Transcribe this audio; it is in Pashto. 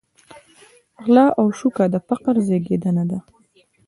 غلا او شوکه د فقر زېږنده ده.